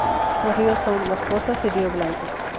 Los ríos son: Las Pozas y Río Blanco.